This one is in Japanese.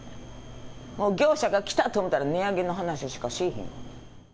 もう業者が来たと思ったら、値上げの話しかしいひん。